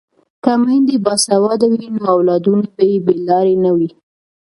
که میندې باسواده وي نو اولادونه به یې بې لارې نه وي.